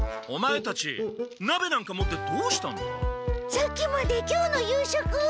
さっきまで今日の夕食を。